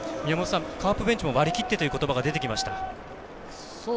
カープベンチも割り切ってということばが出てきました。